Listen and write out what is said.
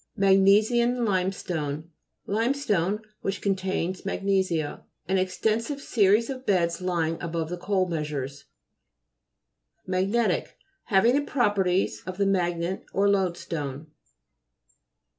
MAGNE'SIATC LIMESTONE Lime stone which contains magnesia. An extensive series of beds lying above the coal measures. MAGNE'TIC Having properties of the magnet or load stone.